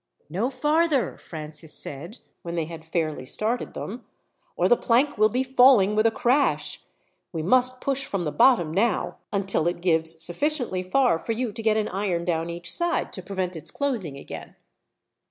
"No farther," Francis said, when they had fairly started them, "or the plank will be falling with a crash. We must push from the bottom now, until it gives sufficiently far for you to get an iron down each side, to prevent its closing again."